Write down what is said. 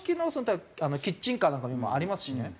だからキッチンカーなんかも今ありますしね。